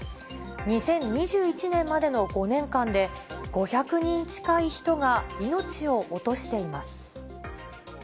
２０２１年までの５年間で、５００人近い人が命を落としています。